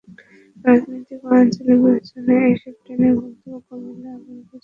রাজনৈতিক ও আঞ্চলিক বিবেচনায় এসব ট্রেনের গন্তব্য কুমিল্লা করার অভিযোগ ওঠে।